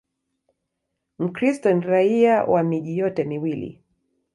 Mkristo ni raia wa miji yote miwili.